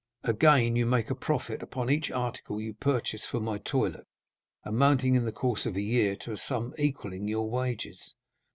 Again, you make a profit upon each article you purchase for my toilet, amounting in the course of a year to a sum equalling your wages."